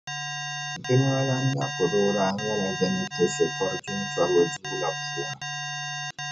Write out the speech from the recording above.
Jilimalana Napodoo daa nyɛla bɛ ni pɔ so pɔri jintɔriba duu la puuni